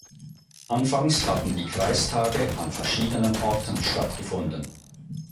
Anfangs hatten die Kreistage an verschiedenen Orten stattgefunden.